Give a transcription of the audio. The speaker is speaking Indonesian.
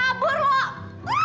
jangan kabur wak